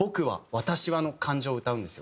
「私は」の感情を歌うんですよ。